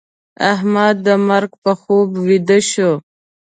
احمد د مرګ په خوب ويده شو.